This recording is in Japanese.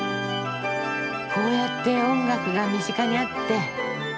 こうやって音楽が身近にあって。